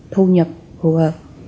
thu nhập phù hợp